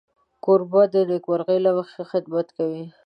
کوربه د نېکمرغۍ له مخې خدمت کوي.